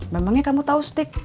memangnya kamu tau stik